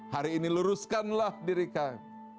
hari ini luruskanlah diri kami